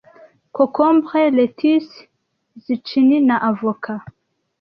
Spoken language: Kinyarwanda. concombre, lettuce, zucchini na avoka